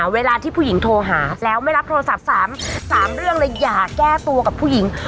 เวลาที่ผู้หญิงโทรหาแล้วไม่รับโทรศัพท์๓เรื่องเลยอย่าแก้ตัวกับผู้หญิง